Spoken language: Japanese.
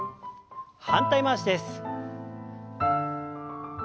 反対回しです。